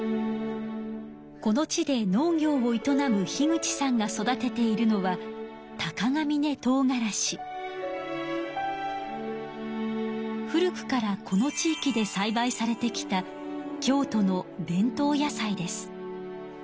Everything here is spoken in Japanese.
この地で農業を営む口さんが育てているのは古くからこの地いきでさいばいされてきた京都の伝統野菜です。